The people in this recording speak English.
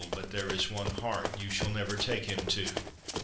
but there is one heart you Shall never take him to!